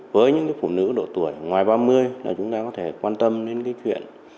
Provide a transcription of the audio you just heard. với những phụ nữ độ tuổi ngoài ba mươi là chúng ta có thể quan tâm đến cái chuyện